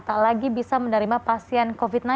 tak lagi bisa menerima pasien